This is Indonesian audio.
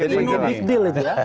tapi no big deal itu ya